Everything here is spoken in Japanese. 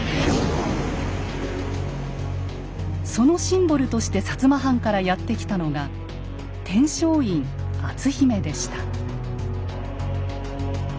そのシンボルとして薩摩藩からやって来たのが天璋院篤姫でした。